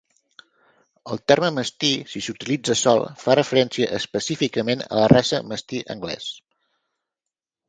El terme "mastí", si s"utilitza sol, fa referència específicament a la raça "mastí anglès".